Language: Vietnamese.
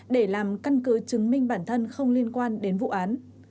để làm căn cứ chứng minh bản thân không liên quan đến vụ án